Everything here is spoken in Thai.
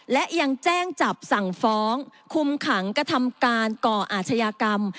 และยังแจ้งจับสั่งฟ้องคุมขังกระทำการก่ออาชญากรรม